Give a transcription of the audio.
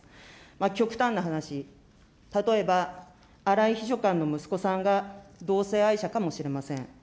極端な話、例えば、荒井秘書官の息子さんが同性愛者かもしれません。